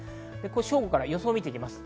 正午から予想を見ていきます。